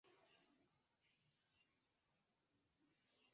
Tamen la ekonomiaj cirkonstancoj estas tute diversaj diversloke.